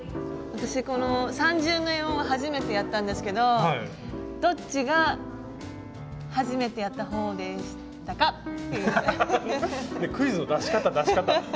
私この三重縫いを初めてやったんですけどどっちが初めてやった方でしたか？